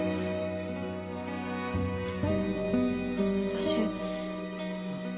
私。